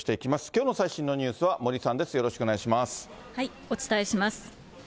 きょうの最新のニュースは、森さお伝えします。